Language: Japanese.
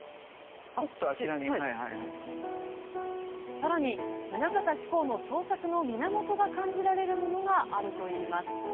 さらに、棟方志功の創作の源が感じられるものがあるといいます。